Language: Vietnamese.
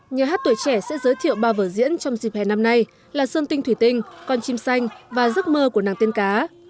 nhà hát tuổi trẻ sẽ giới thiệu ba vở diễn trong dịp hè năm nay là sơn tinh thủy tinh con chim xanh và giấc mơ của nàng tiên cá